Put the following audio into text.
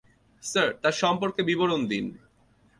Sir, তার সম্পর্কে বিবরণ দিন।